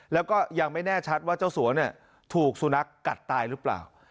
แล้วก็ยังไม่แน่ชัดว่าเจ้าสัวเนี่ยถูกสุนัขกัดตายหรือเปล่า